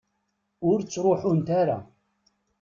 Ur ttruḥunt ara?